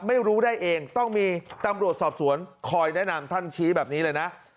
ไม่รู้ได้เองต้องมีตำรวจสอบสวนคอยแนะนำท่านชี้แบบนี้เลยนะ